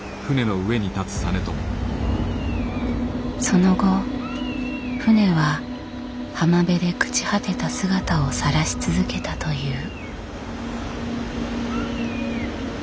その後船は浜辺で朽ち果てた姿をさらし続けたという。